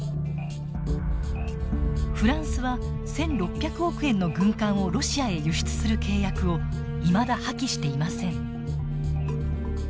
フランスは１，６００億円の軍艦をロシアへ輸出する契約をいまだ破棄していません。